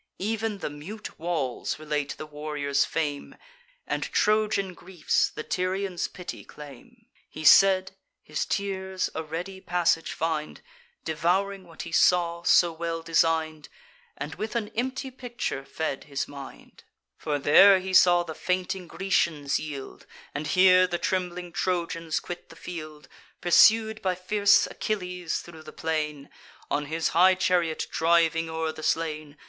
Ev'n the mute walls relate the warrior's fame, And Trojan griefs the Tyrians' pity claim." He said, his tears a ready passage find, Devouring what he saw so well design'd, And with an empty picture fed his mind: For there he saw the fainting Grecians yield, And here the trembling Trojans quit the field, Pursued by fierce Achilles thro' the plain, On his high chariot driving o'er the slain.